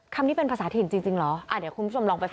คำนี้เป็นภาษาถิ่นจริงเหรอ